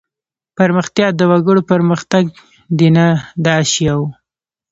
پرمختیا د وګړو پرمختګ دی نه د اشیاوو.